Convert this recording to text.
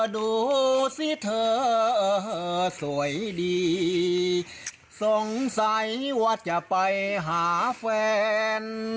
ดูสิเธอสวยดีสงสัยว่าจะไปหาแฟน